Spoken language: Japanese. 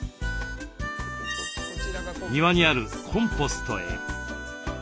庭にあるコンポストへ。